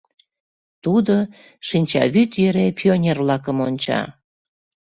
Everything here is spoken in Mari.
Тудо шинчавӱд йӧре пионер-влакым онча.